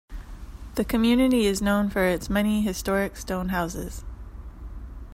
The community is known for its many historic stone houses.